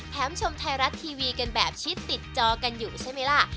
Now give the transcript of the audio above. ชมไทยรัฐทีวีกันแบบชิดติดจอกันอยู่ใช่ไหมล่ะ